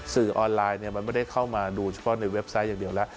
สื่อออนไลน์มันไม่ได้เข้ามาดูเฉพาะในเว็บไซต์อย่างเดียวแล้ว